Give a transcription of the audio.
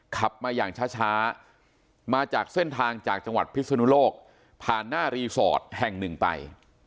ขับมาอย่างช้ามาจากเส้นทางจากจังหวัดพิศนุโลกผ่านหน้ารีสอร์ทแห่งหนึ่งไป